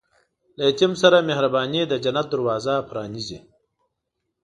له یتیم سره مهرباني، د جنت دروازه پرانیزي.